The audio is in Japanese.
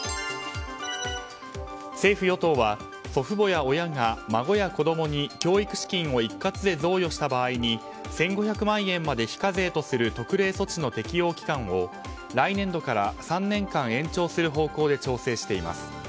政府・与党は祖父母や親が孫や子供に教育資金を一括で贈与した場合に１５００万円まで非課税とする特例措置の適用期間を来年度から３年間延長する方向で調整しています。